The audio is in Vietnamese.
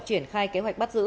triển khai kế hoạch bắt giữ